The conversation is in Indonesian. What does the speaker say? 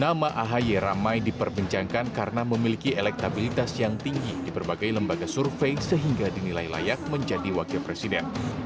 nama ahy ramai diperbincangkan karena memiliki elektabilitas yang tinggi di berbagai lembaga survei sehingga dinilai layak menjadi wakil presiden